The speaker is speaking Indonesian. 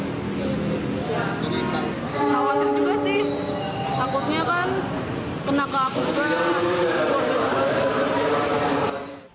khawatir juga sih takutnya kan kena covid